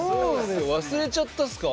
忘れちゃったんすか？